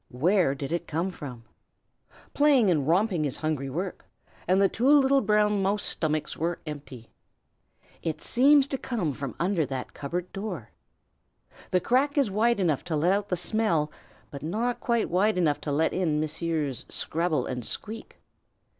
where did it come from? Playing and romping is hungry work, and the two little brown mouse stomachs are empty. It seems to come from under that cupboard door. The crack is wide enough to let out the smell, but not quite wide enough to let in Messrs. Scrabble and Squeak.